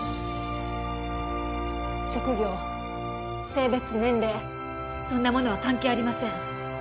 職業性別年齢そんなものは関係ありません